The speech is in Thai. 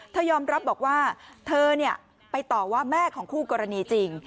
ยอมรับบอกว่าเธอไปต่อว่าแม่ของคู่กรณีจริง